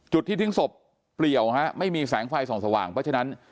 ที่ทิ้งศพเปลี่ยวฮะไม่มีแสงไฟส่องสว่างเพราะฉะนั้น